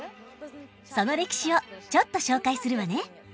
その歴史をちょっと紹介するわね。